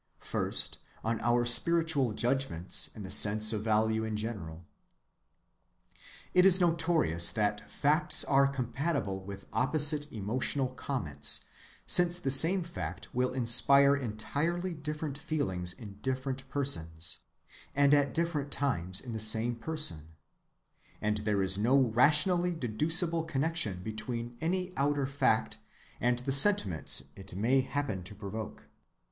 First on our spiritual judgments and the sense of value in general. It is notorious that facts are compatible with opposite emotional comments, since the same fact will inspire entirely different feelings in different persons, and at different times in the same person; and there is no rationally deducible connection between any outer fact and the sentiments it may happen to provoke.